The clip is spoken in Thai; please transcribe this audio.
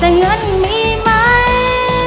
แต่เงินมีไหม